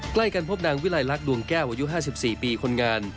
ใกล้กันพบนางวิลัยลักษณดวงแก้วอายุ๕๔ปีคนงาน